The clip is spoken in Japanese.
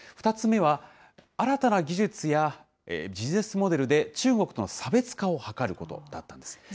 ２つ目は、新たな技術やビジネスモデルで、中国との差別化を図ることだったんです。